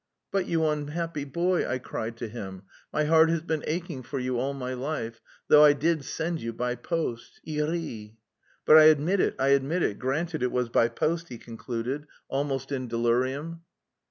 '" "'But you unhappy boy,' I cried to him, 'my heart has been aching for you all my life; though I did send you by post.' Il rit." "But I admit it. I admit it, granted it was by post," he concluded, almost in delirium.